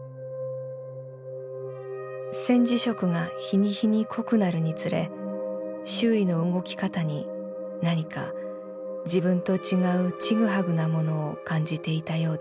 「戦時色が日に日に濃くなるにつれ周囲の動き方になにか自分と違うちぐはぐなものを感じていたようです。